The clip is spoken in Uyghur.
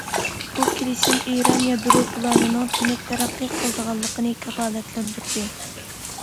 بۇ كېلىشىم ئىران يادرو پىلانىنىڭ تىنچ تەرەققىي قىلىدىغانلىقىنى كاپالەتلەندۈردى.